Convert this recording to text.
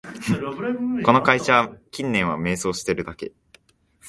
この会社、近年は迷走してるだけ